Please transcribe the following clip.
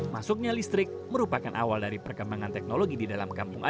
masuknya listrik merupakan awal dari perkembangan teknologi di dalam kampung adat